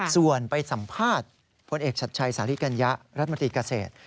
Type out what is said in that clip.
ส่วนไปสัมภาษณ์พลเอกชัดชัยสาธิกัญญะรัฐมนตรีเกษตร